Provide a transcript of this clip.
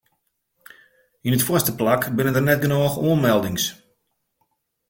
Yn it foarste plak binne der net genôch oanmeldings.